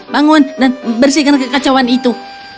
bangun dan bersihkan kekacauan itu